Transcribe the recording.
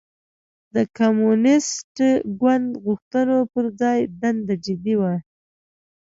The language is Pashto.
د کمونېست ګوند غوښتنو پر ځای دنده جدي وای.